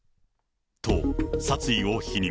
と、殺意を否認。